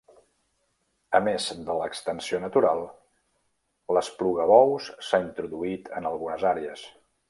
A més de l'extensió natural, l'esplugabous s'ha introduït en algunes àrees.